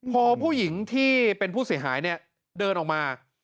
พอผู้หญิงที่เป็นผู้เสียหายเนี่ยเดินออกมา